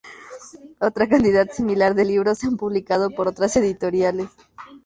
Otra cantidad similar de libros se han publicado por otras editoriales.